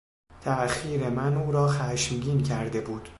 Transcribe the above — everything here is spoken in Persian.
تاخیر من او را خشمگین کرده بود.